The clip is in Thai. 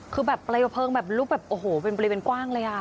คือแบบเปลวเพลิงแบบลุกแบบโอ้โหเป็นบริเวณกว้างเลยอ่ะ